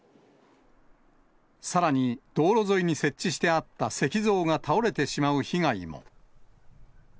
さらに、道路沿いに設置してあった石像が倒れてしまう被害も。